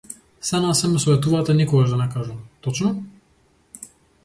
Сѐ на сѐ, ме советувате никогаш да не кажам точно?